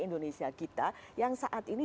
indonesia kita yang saat ini